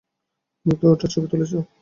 তুমি কি ওটার ছবি তুলেছ?